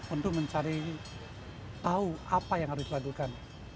untuk mencari tahu apa yang harus dilakukan